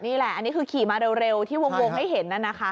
นี่แหละอันนี้คือขี่มาเร็วที่วงให้เห็นนั่นนะคะ